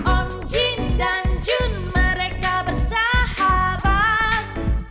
om jin dan jun mereka bersahabat